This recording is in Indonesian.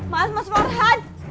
mas mas farhan